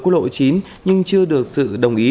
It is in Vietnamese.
quốc lộ chính nhưng chưa được sự đồng ý